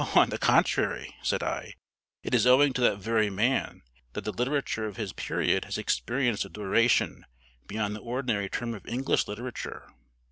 "On the contrary," said I, "it is owing to that very man that the literature of his period has experienced a duration beyond the ordinary term of English literature.